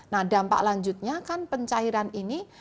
nah dampak lanjutnya kan pencairan ini